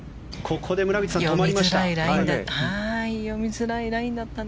ここで村口さん、止まりました。